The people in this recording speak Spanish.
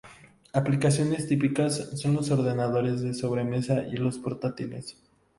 Aplicaciones típicas son los ordenadores de sobremesa y los portátiles.